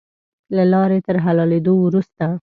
له لارې تر حلالېدلو وروسته.